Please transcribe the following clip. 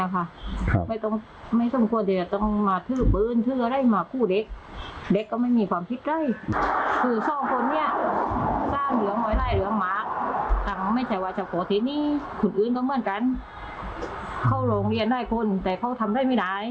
เข้าโรงเรียนได้คนแต่เขาทำได้ไม่ได้